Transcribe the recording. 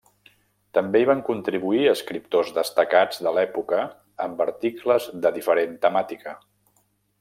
També hi van contribuir escriptors destacats de l’època amb articles de diferent temàtica.